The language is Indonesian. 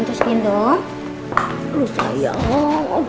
untuk sekian dong